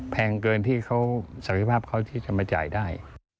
แพงเกินที่สภาพเขาจะมาจ่ายได้